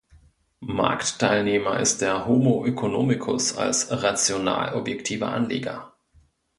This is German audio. Marktteilnehmer ist der Homo oeconomicus als rational-objektiver Anleger.